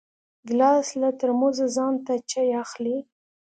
ګیلاس له ترموزه ځان ته چای اخلي.